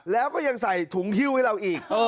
แล้วก็ยังใส่ถุงฮิ้วให้เราอีก